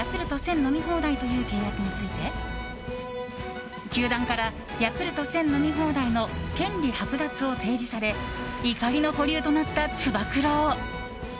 飲み放題という契約について球団から、ヤクルト１０００飲み放題の権利剥奪を提示され怒りの保留となった、つば九郎。